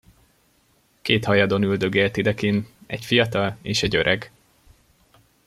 Két hajadon üldögélt idekinn, egy fiatal és egy öreg.